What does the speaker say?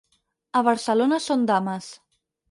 A Barcelona són dames.